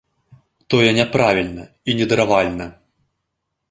Тое няправільна і недаравальна!